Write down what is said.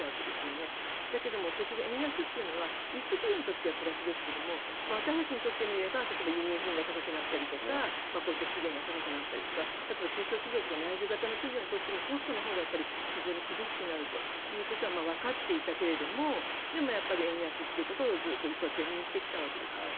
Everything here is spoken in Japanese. ですけど、結局円安というのは輸出企業にとってはプラスですが私たちにとってみれば例えば輸入品が高くなったりとかこうやって資源が高くなったりとか中小企業とか内需型の企業にとってはコストのほうが非常に厳しくなるということはわかっていたけれどもでも、やっぱり円安ということを是認してきたわけですね。